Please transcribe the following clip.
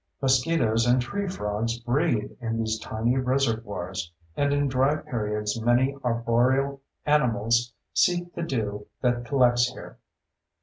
Mosquitoes and tree frogs breed in these tiny reservoirs, and in dry periods many arboreal animals seek the dew that collects here.